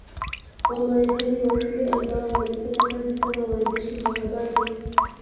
Wamarekani wawili ambao walifanya kazi kama waandishi wa habari